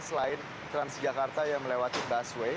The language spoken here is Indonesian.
selain trans jakarta yang melewati busway